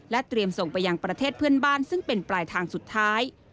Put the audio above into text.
เตรียมส่งไปยังประเทศเพื่อนบ้านซึ่งเป็นปลายทางสุดท้าย